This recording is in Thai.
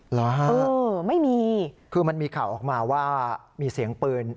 หรอครับคือมันมีข่าวออกมาว่ามีเสียงเปลือน